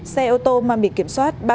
xe ô tô mang biển kiểm soát